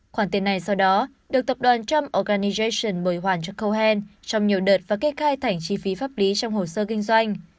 khoản tiền này sau đó được tập đoàn trump organijation bồi hoàn cho cohen trong nhiều đợt và kê khai thành chi phí pháp lý trong hồ sơ kinh doanh